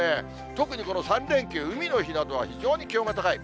特にこの３連休、海の日などは非常に気温が高い。